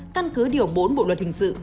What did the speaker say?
căn cứ điều bốn bộ luật hình sự